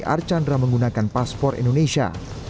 archandra menggunakan paspor indonesia